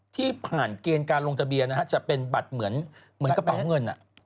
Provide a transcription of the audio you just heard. ที่ผ่านเกณฑ์การลงทะเบียนนะฮะจะเป็นบัตรเหมือนกระเป๋าเงิน